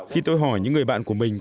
khi tôi hỏi những người bạn của mình